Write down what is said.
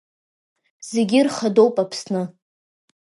Зегьы ирхадоуп Аԥсны.